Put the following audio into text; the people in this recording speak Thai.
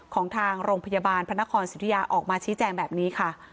ของทางโรงพยาบาลพระนครสิทธิยาออกมาชี้แจงแบบนี้ค่ะ